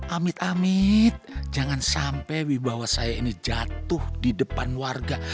amit amit jangan sampai wibawa saya ini jatuh di depan warga